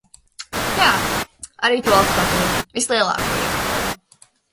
Jā, arī tualetes papīru, vislielāko iepakojumu.